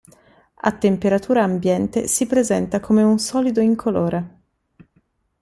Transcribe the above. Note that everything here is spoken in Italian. A temperatura ambiente si presenta come un solido incolore.